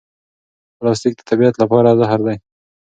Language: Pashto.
پلاستیک د طبیعت لپاره زهر دی.